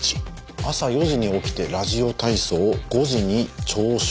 「朝４時に起きてラジオ体操」「５時に朝食。